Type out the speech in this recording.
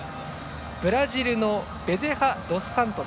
ブラジルのベゼハドスサントス。